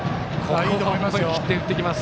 思い切って振ってきます。